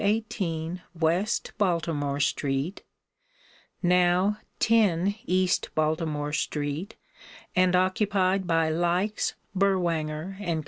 218 West Baltimore street, now 10 East Baltimore street and occupied by Likes, Berwanger & Co.